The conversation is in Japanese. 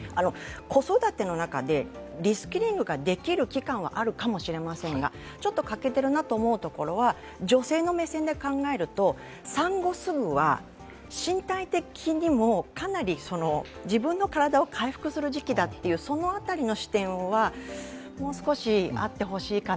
子育ての中でリスキリングができる期間はあるかもしれませんがちょっと欠けているなと思うところは、女性の目線で考えると産後すぐは身体的にもかなり自分の体を回復する時期だというその辺りの視点はもう少しあってほしいかな。